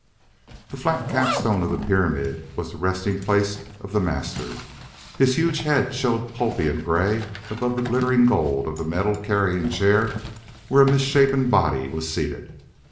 The flat capstone of the pyramid was the resting place of the "Master"; his huge head showed pulpy and gray above the glittering gold of the metal carrying chair where a misshapen body was seated.